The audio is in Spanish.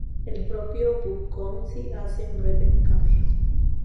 El propio Bukowski hace un breve cameo.